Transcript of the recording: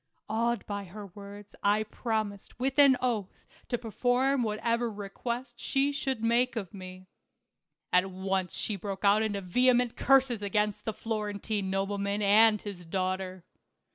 Awed by her words I promised with an oath THE CAB AVAN. 229 to perform whatever request she should make of me. At once she broke out into vehement curses against the Florentine nobleman and his daughter.